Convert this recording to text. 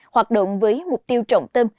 hoạt động với mục tiêu trọng tâm